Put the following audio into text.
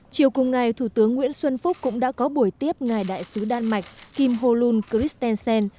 chiều cùng ngày thủ tướng nguyễn xuân phúc cũng đã có buổi tiếp ngài đại sứ đan mạch kim hồ luân christensen